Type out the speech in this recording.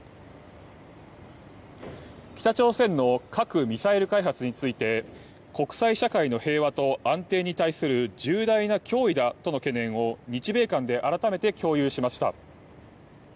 北朝鮮の核・ミサイル開発について国際社会の平和と安定に対する重大な脅威だとの懸念を日米韓で改めて共有しました。